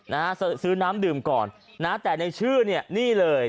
นะฮะซื้อน้ำดื่มก่อนนะแต่ในชื่อเนี่ยนี่เลย